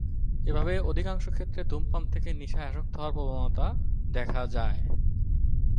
এভাবে অধিকাংশ ক্ষেত্রে ধূমপান থেকে নেশায় আসক্ত হওয়ার প্রবণতা দেখা যায়।